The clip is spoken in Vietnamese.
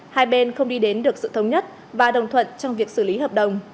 hai bên không đi đến được sự thống nhất và đồng thuận trong việc xử lý hợp đồng